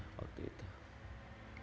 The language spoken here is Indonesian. itu yang kami rasakan